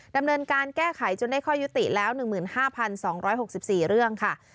ดำเนินการแก้ไขจนได้ข้อยุติแล้ว๑๕๒๖๔เรื่องค่ะ